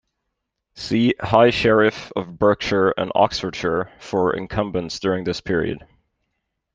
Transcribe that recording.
See High Sheriff of Berkshire and Oxfordshire for incumbents during this period.